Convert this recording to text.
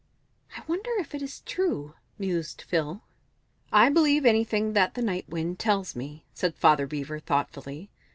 "I wonder if it is true?" mused Phil "I believe anything that the Night Wind tells me," said Father Beaver, thoughtfully.